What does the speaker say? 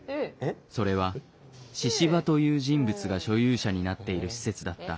それは「神々」という人物が所有者になっている施設だった。